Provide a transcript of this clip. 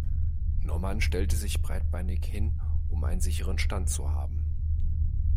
Norman stellte sich breitbeinig hin, um einen sicheren Stand zu haben.